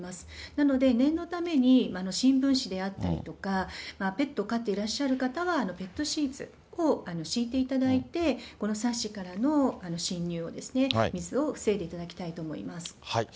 なので、念のために新聞紙であったりとか、ペット飼っていらっしゃる方はペットシーツ等、敷いていただいて、このサッシからの浸入を水を防いでいただきたいと思います。